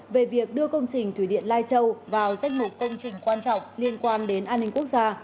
về việc đưa công trình thủy điện lai châu vào danh mục công trình quan trọng liên quan đến an ninh quốc gia